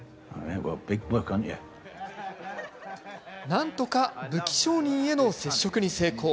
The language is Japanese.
なんとか武器商人への接触に成功。